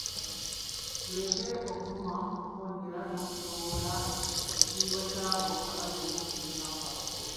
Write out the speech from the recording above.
Tuleke okuvuma, okukonjera n'okutyoboola ekitiibwa ky'abo abali okumpi ne Kabaka waffe .